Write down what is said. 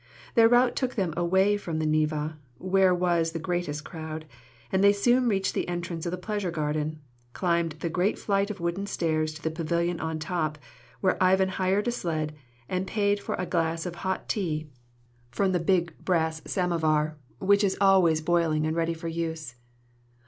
Their route took them away from the Neva, where was the greatest crowd, and they soon reached the entrance of the pleasure garden, climbed the great flight of wooden stairs to the pavilion on top, where Ivan hired a sled, and paid for a glass of tea hot from the big brass samovar, which is always boiling and ready for use.